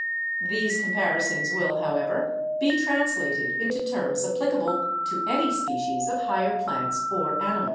These comparisons will, however, be translated into terms ap plicable to any species of higher plants or animals.